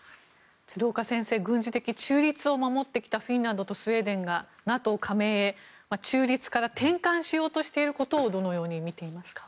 鶴岡先生、軍事的中立を守ってきたフィンランドとスウェーデンがＮＡＴＯ加盟へ、中立から転換しようとしていることをどうみていらっしゃいますか。